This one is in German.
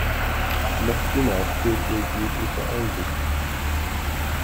Noch immer fehlt ihr jegliche Einsicht.